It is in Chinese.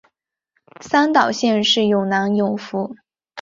三岛县是越南永福省下辖的一个县。